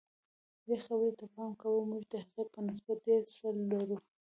دې خبرې ته پام کوه موږ د هغې په نسبت ډېر څه لرو.